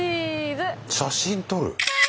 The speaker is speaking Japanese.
写真撮る？